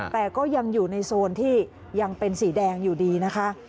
แต่ก็ยังอยู่ในโซนที่ยังเป็นสีแดงอยู่ดีนะคะ